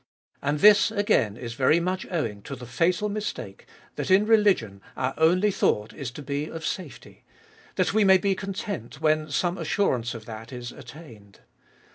And this again is very much owing to the fatal mistake that in religion our only 198 abe iboltest of Bll thought Is to be of safety, that we may be content when some assurance of that is attained.